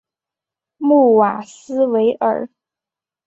穆瓦斯维尔。